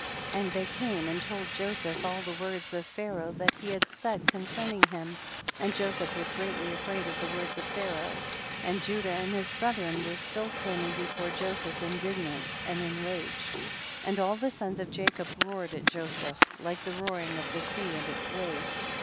51. And they came and told Jo seph all the words of Pharaoh that he had said concerning him, and Jo seph was greatly afraid at the words of Pharaoh, and Judah and his bre thren were still standing before Jo seph indignant and enraged, and all the sons of Jacob roared at Joseph, like the roaring of the sea and its waves.